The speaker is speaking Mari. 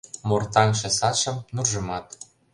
Мортаҥше садшым, нуржымат.